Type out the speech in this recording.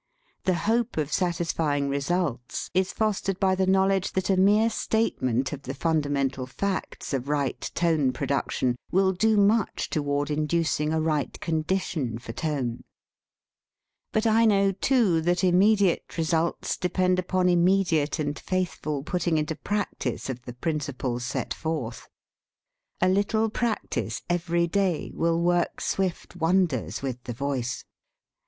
The hope of satisfying results is fostered by the knowl edge that a mere statement of the funda mental facts of right tone production will do much toward inducing a right condition for tone. But I know, too, that immediate re sults depend upon immediate and faithful putting into practice of the principles set forth. A little practice every day will work swift wonders with the voice.